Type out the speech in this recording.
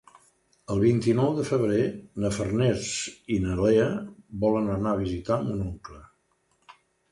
El vint-i-nou de febrer na Farners i na Lea volen anar a visitar mon oncle.